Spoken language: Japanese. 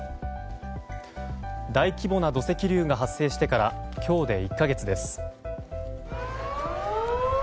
大規模な土石流が発生してから今日で１か月です。